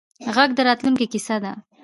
غږ د راتلونکې کیسه ده